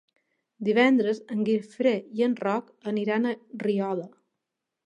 Divendres en Guifré i en Roc aniran a Riola.